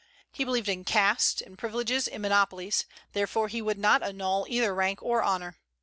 He believed in caste, in privileges, in monopolies; therefore he would not annul either rank or honor.